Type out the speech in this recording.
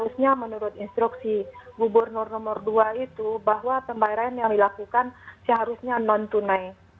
harusnya menurut instruksi gubernur nomor dua itu bahwa pembayaran yang dilakukan seharusnya non tunai